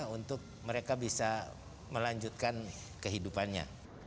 untuk mereka bisa melanjutkan kehidupannya